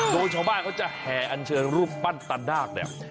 โดยชาวบ้านเขาจะแห่อัญเชิญรูปปั้นตานาคเนี่ย